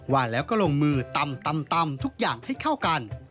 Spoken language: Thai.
ว่าแล้วก็ลงมือตำทุกอย่างให้เข้ากัน